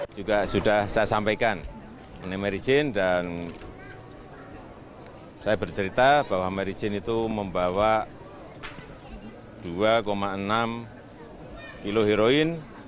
juga sudah saya sampaikan ini mary jane dan saya bercerita bahwa mary jane itu membawa dua enam kilo heroin